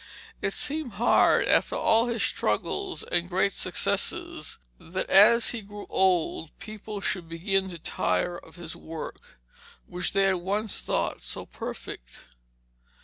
It seemed hard, after all his struggles and great successes, that as he grew old people should begin to tire of his work, which they had once thought so perfect.